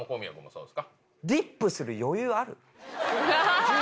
そうです。